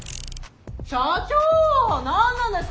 社長何なんですか？